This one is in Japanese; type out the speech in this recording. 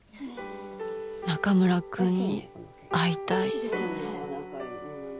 中村くんに会いたい